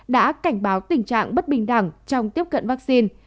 đã cảnh báo tình trạng bất bình đẳng trong tiếp cận vaccine